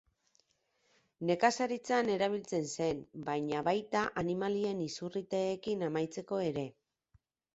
Nekazaritzan erabiltzen zen, baina baita animalien izurriteekin amaitzeko ere.